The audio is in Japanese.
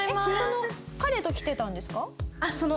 その彼と来てたんですか？